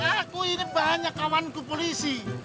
aku ini banyak kawanku polisi